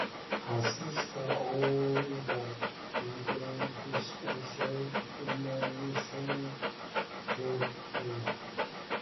Her sister Olga Fedorovich is also Belarusian draughts player.